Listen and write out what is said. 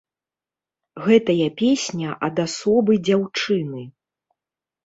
Гэтая песня ад асобы дзяўчыны.